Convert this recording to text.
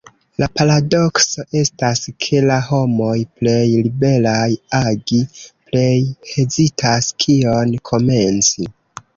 La paradokso estas ke la homoj plej liberaj agi, plej hezitas kion komenci.